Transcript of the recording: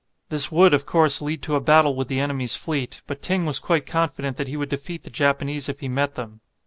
This would, of course, lead to a battle with the enemy's fleet, but Ting was quite confident that he would defeat the Japanese if he met them.